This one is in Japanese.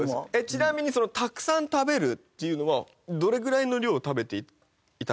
ちなみに「たくさん食べる」っていうのはどれぐらいの量を食べていたかわかります？